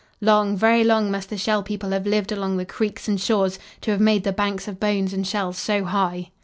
Long, very long, must the Shell People have lived along the creeks and shores to have made the banks of bones and shells so high."